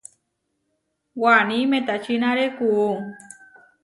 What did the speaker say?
Waní metačinare kuú.